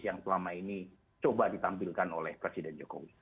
yang selama ini coba ditampilkan oleh presiden jokowi